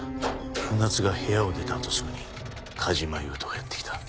船津が部屋を出たあとすぐに梶間優人がやって来た。